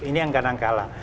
ini yang kadang kalah